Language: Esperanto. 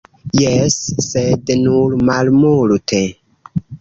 Jes, sed nur malmulte.